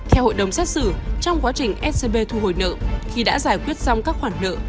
theo hội đồng xét xử trong quá trình scb thu hồi nợ khi đã giải quyết xong các khoản nợ